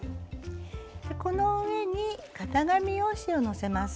この上に型紙用紙をのせます。